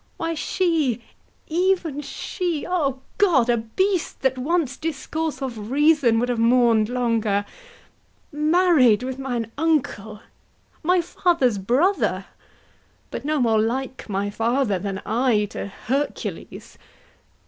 —Why she, even she— O God! A beast that wants discourse of reason Would have mourn'd longer,—married with mine uncle, My father's brother; but no more like my father Than I to Hercules.